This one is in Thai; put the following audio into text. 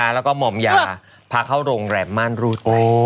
แล้วก็หม่อมยาพาเข้าโรงแรมม่านรูด